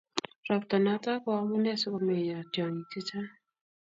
Robtanoto ko amune asikuneyo tyong'ik chechang'